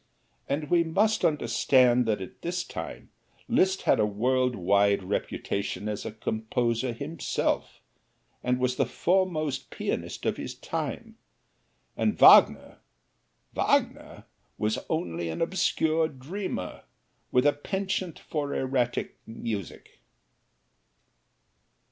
And we must understand that at this time Liszt had a world wide reputation as a composer himself, and was the foremost pianist of his time. And Wagner Wagner was only an obscure dreamer, with a penchant for erratic music!